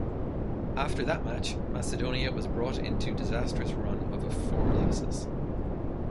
After that match, Macedonia was brought into disastrous run of a four losses.